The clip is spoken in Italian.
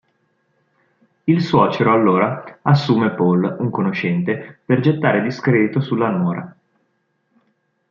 Il suocero, allora, assume Paul, un conoscente, per gettare discredito sulla nuora.